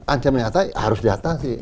ancaman nyata harus diatasi